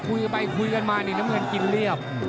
คุยกันไปคุยกันมานี่น้ำเงินกินเรียบ